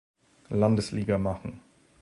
Landesliga machen.